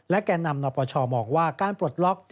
และแก่นำนศบอกว่าการปลดล็อก